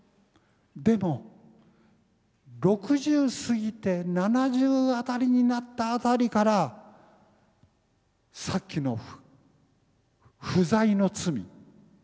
でも６０過ぎて７０辺りになった辺りからさっきの不在の罪。